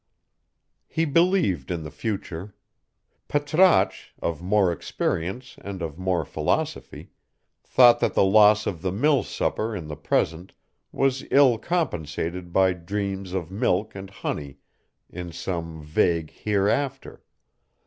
He believed in the future: Patrasche, of more experience and of more philosophy, thought that the loss of the mill supper in the present was ill compensated by dreams of milk and honey in some vague hereafter.